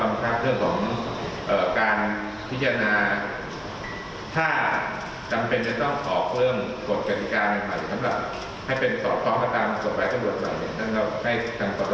และก็กำคับเรื่องของการพิจารณาถ้าจำเป็นจะต้องขอบเรื่องกฎกฎิกาใหม่ให้เป็นสอบพร้อมกับตามกฎภัยกบทใหม่นั่นก็ให้กันตลอดไปเรียกรัก